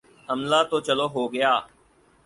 حملہ تو چلو ہو گیا۔